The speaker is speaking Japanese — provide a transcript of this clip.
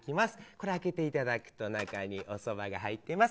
これを開けていただくと中におそばが入ってます。